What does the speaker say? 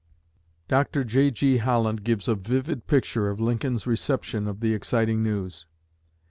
Dr. J.G. Holland gives a vivid picture of Lincoln's reception of the exciting news.